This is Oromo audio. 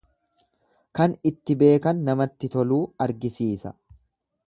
Kan itti beekan namatti toluu argisiisa.